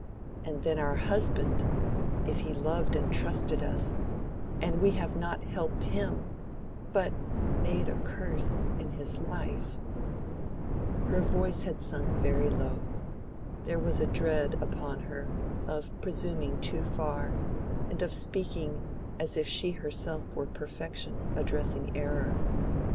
And then our husband—if he loved and trusted us, and we have not helped him, but made a curse in his life—" Her voice had sunk very low: there was a dread upon her of presuming too far, and of speaking as if she herself were perfection addressing error.